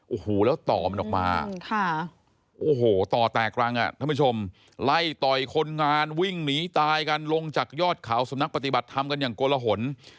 โอ้โหแล้วต่อมันออกมาโอ้โหต่อแตกรังอ่ะท่านผู้ชมไล่ต่อยคนงานวิ่งหนีตายกันลงจากยอดเขาสำนักปฏิบัติธรรมกันอย่างโกลหน